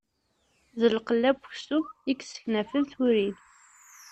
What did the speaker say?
D lqella n uksum, i yesseknafen turin.